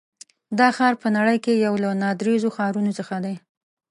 دا ښار په نړۍ کې یو له ناندرییزو ښارونو څخه دی.